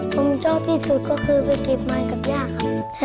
ผมชอบที่สุดก็คือไปเก็บมันกับย่าครับ